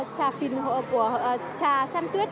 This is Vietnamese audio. trà xanh tuyết